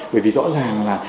bởi vì rõ ràng là